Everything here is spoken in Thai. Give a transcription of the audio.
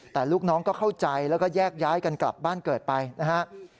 แต่ลูกน้องก็เข้าใจแล้วก็แยกย้ายกันกลับบ้านเกิดไปนะฮะ